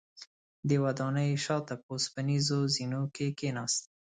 د ودانۍ شاته په اوسپنیزو زینو کې کیناستم.